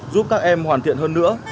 giúp các em hoàn thiện hơn nữa